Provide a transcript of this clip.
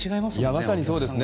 まさにそうですね。